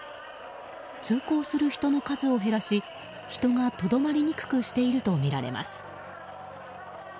通行する人の数を減らし人がとどまりにくくしているとみられます。